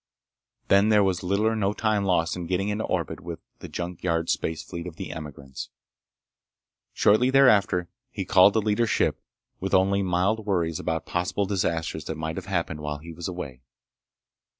Then there was little or no time lost in getting into orbit with the junk yard space fleet of the emigrants. Shortly thereafter he called the leader's ship with only mild worries about possible disasters that might have happened while he was away.